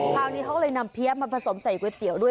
คราวนี้เขาก็เลยนำเพี้ยมาผสมใส่ก๋วยเตี๋ยวด้วย